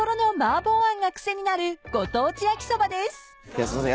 いやすいません。